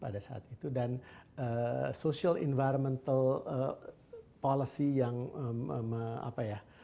dan social environmental policy yang apa ya